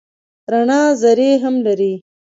رڼا ذرې هم لري.